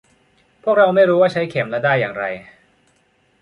พวกเราไม่รู้ว่าใช้เข็มและด้ายอย่างไร